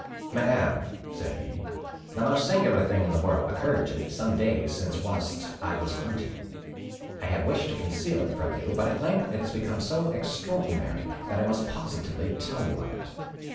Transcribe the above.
"Madam," said he, "the most singular thing in the world occurred to me some days since whilst I was hunting. I had wished to conceal it from you, but at length it has become so extraordinary, that I must positively tell you of it.